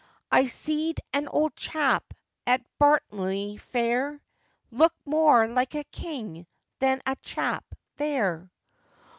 I seed an old chap at Bartlemy fair Look more like a king than that chap there.